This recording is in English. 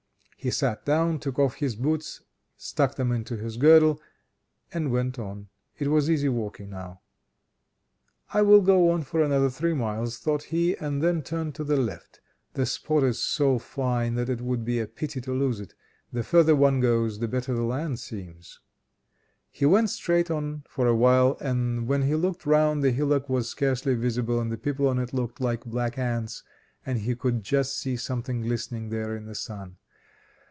He sat down, took off his boots, stuck them into his girdle, and went on. It was easy walking now. "I will go on for another three miles," thought he, "and then turn to the left. The spot is so fine, that it would be a pity to lose it. The further one goes, the better the land seems." He went straight on a for a while, and when he looked round, the hillock was scarcely visible and the people on it looked like black ants, and he could just see something glistening there in the sun.